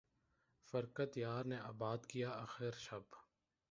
فرقت یار نے آباد کیا آخر شب